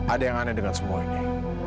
ada yang aneh dengan semua ini